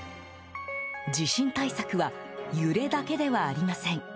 地震対策は揺れだけではありません。